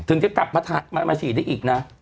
ถึงจะกลับมาฉีดได้อีกนะ